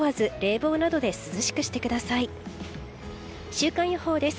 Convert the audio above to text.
週間予報です。